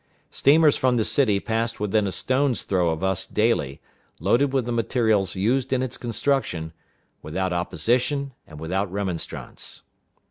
Steamers from the city passed within a stone's throw of us daily, loaded with the materials used in its construction, without opposition and without remonstrance.